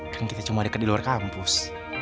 kan kita cuma dekat di luar kampus